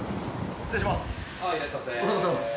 失礼します。